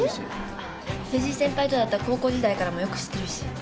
藤井先輩とだったら高校時代からもよく知ってるし。